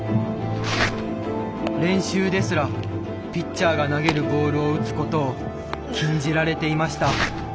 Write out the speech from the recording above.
練習ですらピッチャーが投げるボールを打つことを禁じられていました。